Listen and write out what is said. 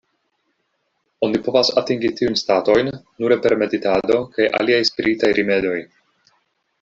Oni povas atingi tiujn statojn nure per meditado kaj aliaj spiritaj rimedoj.